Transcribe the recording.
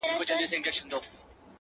o زه بې له تا گراني ژوند څنگه تېر كړم.